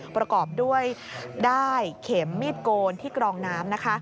ประกอบด้วยด้ายเข็มมีดโกนที่กรองน้ำนะคะ